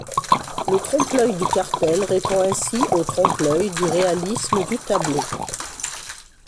Le trompe-l'œil du cartel répond ainsi au 'trompe-l'œil' du réalisme du tableau.